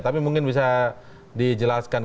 tapi mungkin bisa dijelaskan